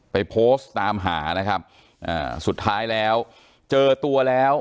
ไปโพสต์ตามหานะครับอ่าสุดท้ายแล้วเจอตัวแล้ว